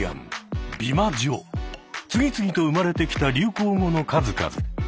次々と生まれてきた流行語の数々。